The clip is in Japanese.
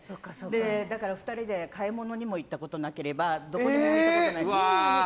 だから２人で買い物にも行ったことなければどこにも行ったことないです。